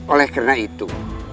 oleh karena itu